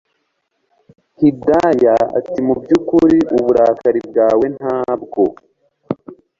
Hidaya atimubyukuri uburakari bwawe ntabwo